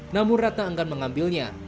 namun ratna anggan mengambilnya